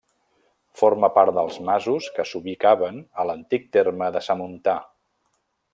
Forma part dels masos que s'ubicaven a l'antic terme de Samuntà.